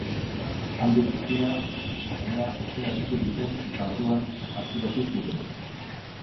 Handik gutxira, semea etxera itzuli zen eta orduan atxilotu zuten.